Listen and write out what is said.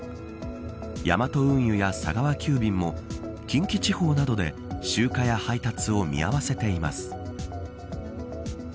ヤマト運営や佐川急便も近畿地方などで集荷や配達を見合わせています。